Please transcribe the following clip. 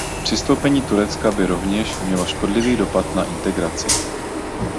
Přistoupení Turecka by rovněž mělo škodlivý dopad na integraci.